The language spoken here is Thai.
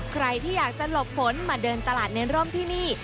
ใครที่อยากจะหลบฝนมาเดินตลาดเนร่มที่นี่